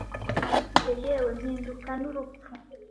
Igihe, yewe mpinduka n'urupfu,